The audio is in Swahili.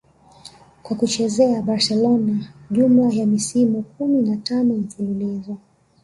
kwa kuchezea Barcelona jumla ya misimu kumi na tano mfululizo